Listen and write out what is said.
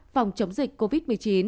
phòng chống dịch covid một mươi chín